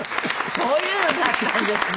そういうのだったんですね。